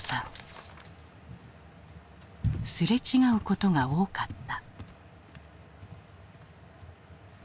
すれ違うことが多かった。